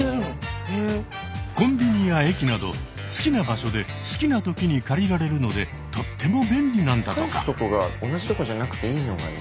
コンビニや駅など好きな場所で好きなときに借りられるのでとっても便利なんだとか。